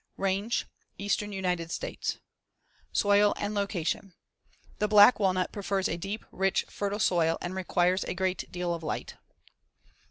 Range: Eastern United States. Soil and location: The black walnut prefers a deep, rich, fertile soil and requires a great deal of light.